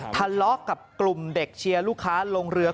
ทะเลาะกับกลุ่มเด็กเชียร์ลูกค้าลงเรือ